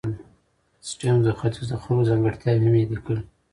سټيونز د ختیځ د خلکو ځانګړتیاوې هم یادې کړې.